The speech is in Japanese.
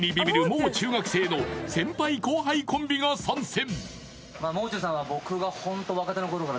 もう中学生の先輩・後輩コンビが参戦